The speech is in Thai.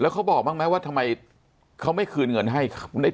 เขาบอกบ้างไหมว่าทำไมเขาไม่คืนเงินให้